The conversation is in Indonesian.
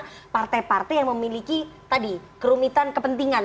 karena itu adalah partai partai yang memiliki tadi kerumitan kepentingan